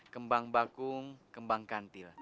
kembang bakung kembang kantil